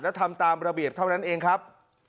และทำตามระเบียบเท่านั้นเองครับ